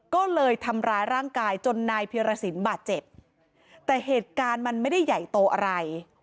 ก็เลยทำร้ายร่างกายจนนายเพียรสินบาดเจ็บแต่เหตุการณ์มันไม่ได้ใหญ่โตอะไร